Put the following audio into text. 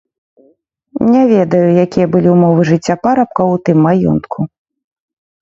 Не ведаю, якія былі ўмовы жыцця парабкаў у тым маёнтку.